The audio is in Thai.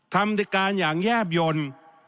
บริการอย่างแยบยนต์